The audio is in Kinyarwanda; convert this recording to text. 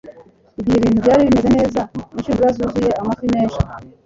Igihe ibintu byari bimeze neza, inshundura zuzuye amafi menshi,